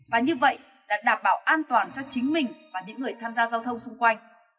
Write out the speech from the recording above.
và như vậy là đảm bảo an toàn cho chính mình và những người tham gia giao thông xung quanh